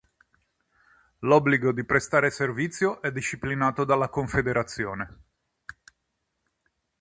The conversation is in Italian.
L’obbligo di prestare servizio è disciplinato dalla confederazione.